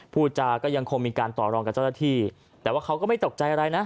พูดจาก็ยังคงมีการต่อรองกับเจ้าหน้าที่แต่ว่าเขาก็ไม่ตกใจอะไรนะ